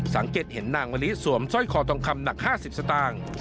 สังเกตเห็นนางมะลิสวมสร้อยคอทองคำหนัก๕๐สตางค์